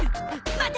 待て！